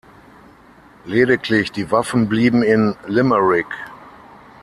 Lediglich die Waffen blieben in Limerick.